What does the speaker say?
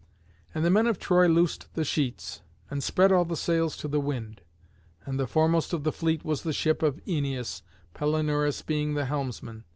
And the men of Troy loosed the sheets, and spread all the sails to the wind; and the foremost of the fleet was the ship of Æneas, Palinurus being the helmsman.